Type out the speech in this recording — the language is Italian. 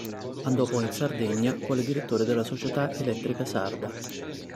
Andò poi in Sardegna quale direttore della "Società Elettrica Sarda".